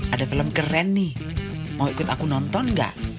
ada film keren nih mau ikut aku nonton nggak